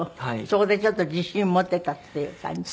そこでちょっと自信持てたっていう感じ？